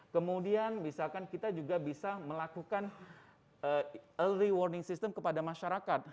kemudian misalkan kita juga bisa melakukan early warning system kepada masyarakat